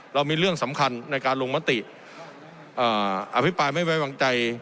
เรามีเรื่องสำคัญในการลงมติอภิปรายไม่ไว้วางใจ